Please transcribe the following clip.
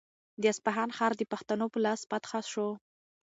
د اصفهان ښار د پښتنو په لاس فتح شو.